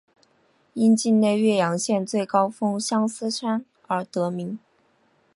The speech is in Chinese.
因境内岳阳县最高峰相思山而得名。